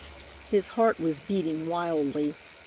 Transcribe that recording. His heart was beating wildly.